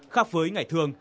khác với ngày thường